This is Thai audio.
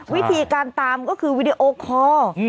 วิธีการตามก็คือวิดีโอคอร์